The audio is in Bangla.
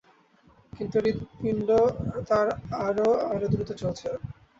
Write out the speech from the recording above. কিন্তু হৃৎপিণ্ড তার আরো, আরো দ্রুত চলছে।